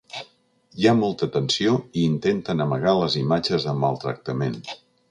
Hi ha molta tensió i intenten amagar les imatges de maltractament.